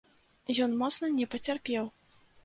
Ён моцна не пацярпеў.